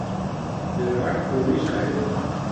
Virat Kohli Shahid